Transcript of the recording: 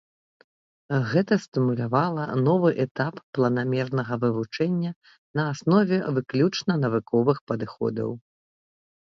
Гэта стымулявала новы этап планамернага вывучэння на аснове выключна навуковых падыходаў.